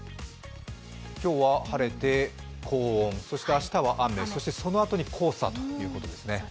今日は晴れて高温、そして明日は雨、そしてそのあとに黄砂ということですね。